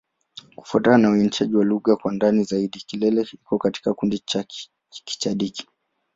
Kufuatana na uainishaji wa lugha kwa ndani zaidi, Kilele iko katika kundi la Kichadiki.